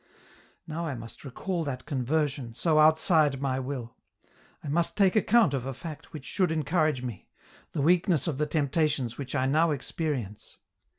Now I must recall that conversion, so outside my will ; I must take account of a fact which should encourage me, the weakness of the temptations which I now experience.